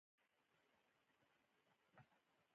ایا زما غاښ ایستل غواړي؟